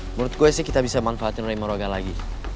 menurut gue sih kita bisa manfaatin ray moraga lagi